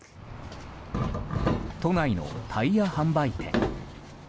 都内のタイヤ販売店。